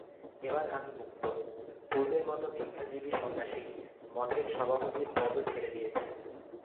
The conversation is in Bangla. এবার আমি মুক্ত, পূর্বের মত ভিক্ষাজীবী সন্ন্যাসী, মঠের সভাপতির পদও ছেড়ে দিয়েছি।